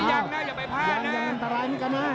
ยังยังตรายเหมือนกันนะ